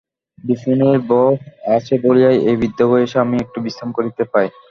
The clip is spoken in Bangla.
বিপিনের বউ আছে বলিয়াই এই বৃদ্ধবয়সে আমি একটু বিশ্রাম করিতে পাই।